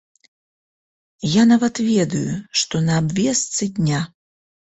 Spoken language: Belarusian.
Я нават ведаю, што на абвестцы дня.